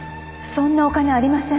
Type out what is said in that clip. そんなお金ありません。